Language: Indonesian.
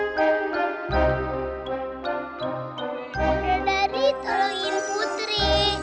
saudari tolongin putri